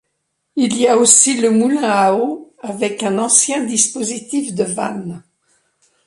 Il y a aussi le moulin à eau, avec un ancien dispositif de vannes.